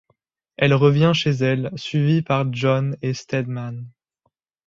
Elle revient chez elle, suivie par John et Stedman.